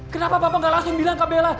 kenapa bapak gak langsung bilang ke bella